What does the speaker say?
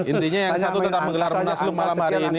intinya yang satu tetap menggelar munaslup malam hari ini